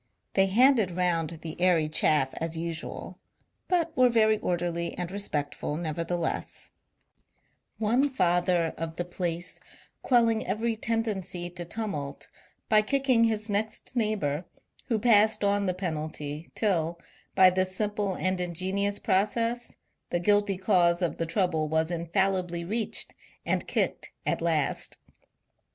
They handed roimd the airy chaff as usual, but were veiy orderly and respectful, nevertheless, — one father of the place quelling every ten dency to tumult by kicking his next neighbour, who passed 430 MONCURE DANIEL CX)NWAY on the penalty till, by this simple and ingenious process, the guilty cause of the trouble was infaUibly reached and kicked at last.